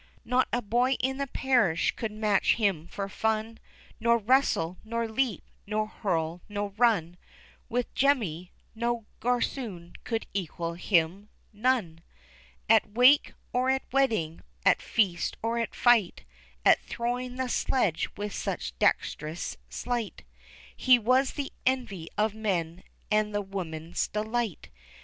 Not a boy in the parish could match him for fun, Nor wrestle, nor leap, nor hurl, nor run With Jemmy No gorsoon could equal him None, At wake, or at wedding, at feast or at fight, At throwing the sledge with such dext'rous sleight, He was the envy of men, and the women's delight.